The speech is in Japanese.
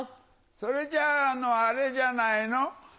それじゃああれじゃないの。